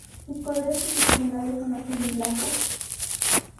Sus colores institucionales son azul y blanco.